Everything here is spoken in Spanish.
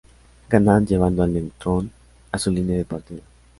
Ganan llevando el Neutrón a su línea de partida"